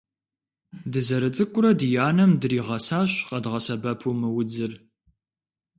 Дызэрыцӏыкӏурэ ди анэм дригъэсащ къэдгъэсэбэпу мы удзыр.